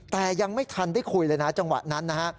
แต่ยังไม่ทันได้คุยเลยนะจังหวะนั้นนะฮะ